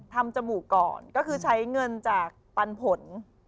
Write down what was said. จมูกก่อนก็คือใช้เงินจากปันผล